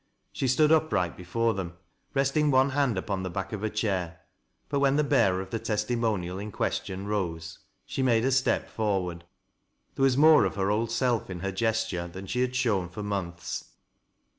She stood upright before them, resting one hand upon the back of a chair, but when the bearer of the testimonial in (question rose, she made a step forward. There was more of her old self in her gesture than she had shown for months.